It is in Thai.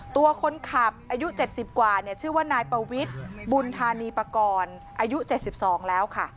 ตัวคนขับอายุ๗๐กว่าชื่อว่านายปวิทย์บุญธานีปากรอายุ๗๒แล้วค่ะ